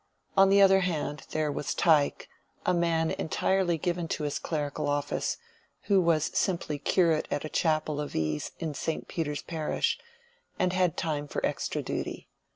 On the other hand, there was Tyke, a man entirely given to his clerical office, who was simply curate at a chapel of ease in St. Peter's parish, and had time for extra duty.